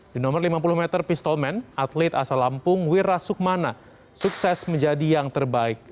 di nomor lima puluh meter pistol man atlet asal lampung wirasukmana sukses menjadi yang terbaik